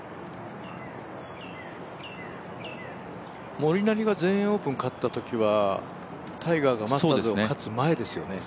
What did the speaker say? モリナリが全英オープン勝ったときはタイガーがマスターズを勝つ前ですよね。